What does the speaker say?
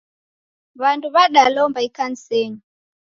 W'andu w'andalomba ikanisenyi.